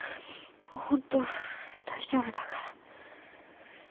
ホント大丈夫だから。